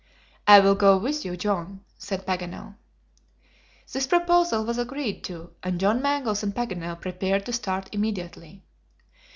"I will go with you, John," said Paganel. This proposal was agreed to, and John Mangles and Paganel prepared to start immediately.